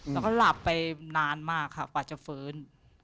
แล้วก็หลับไปนานมากค่ะกว่าจะฟื้น